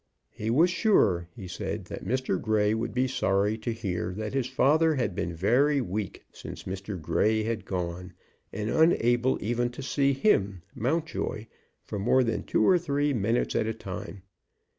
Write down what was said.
"He was sure," he said, "that Mr. Grey would be sorry to hear that his father had been very weak since Mr. Grey had gone, and unable even to see him, Mountjoy, for more than two or three minutes at a time.